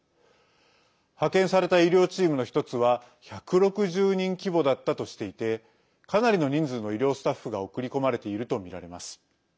派遣された医療チームの１つは１６０人規模だったとしていてかなりの人数の医療スタッフが送り込まれているとみられます。